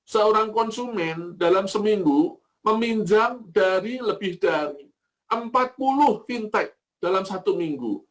seorang konsumen dalam seminggu meminjam dari lebih dari empat puluh fintech dalam satu minggu